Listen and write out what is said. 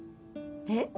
えっ？